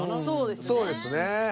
そうですね。